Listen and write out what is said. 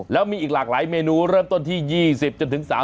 แล้วมีอีกหลากหลายเมนูเริ่มต้นที่๒๐จนถึง๓๐